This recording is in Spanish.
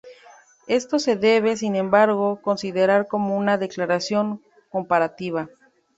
Esto se debe, sin embargo, considerar como una declaración comparativa.